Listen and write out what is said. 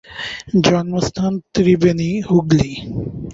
জন্মস্থান ত্রিবেণী, হুগলী।